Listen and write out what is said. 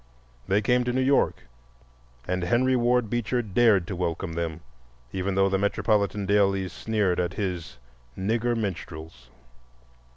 They came to New York and Henry Ward Beecher dared to welcome them, even though the metropolitan dailies sneered at his "Nigger Minstrels."